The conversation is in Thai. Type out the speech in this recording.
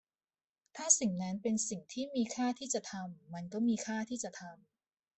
ถ้าสิ่งนั้นเป็นสิ่งที่มีค่าที่จะทำ มันก็มีค่าที่จะทำ